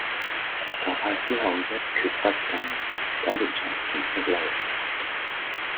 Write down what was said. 就怕之後一厥不振，走回從前的路